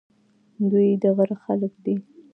دوی د غره خلک دي.